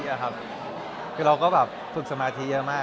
เราก็ฝึกสมาธิเยอะมาก